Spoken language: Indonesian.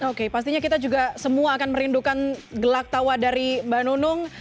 oke pastinya kita juga semua akan merindukan gelak tawa dari mbak nunung